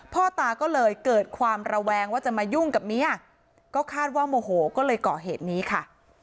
พ่อตาก็เลยเกิดความระแวงว่าจะมายุ่งกับเมียก็คาดว่าโมโหก็เลยก่อเหตุนี้ค่ะ